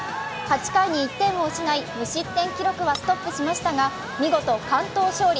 ８回に１点を失い無失点記録はストップしましたが見事完投勝利。